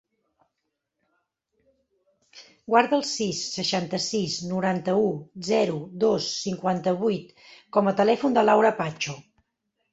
Guarda el sis, seixanta-sis, noranta-u, zero, dos, cinquanta-vuit com a telèfon de l'Aura Pacho.